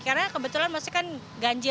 karena kebetulan maksudnya kan ganjil